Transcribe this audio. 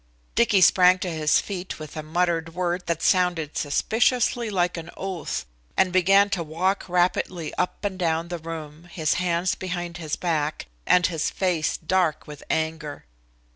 Dicky sprang to his feet with a muttered word that sounded suspiciously like an oath, and began to walk rapidly up and down the room, his hands behind his back, and his face dark with anger.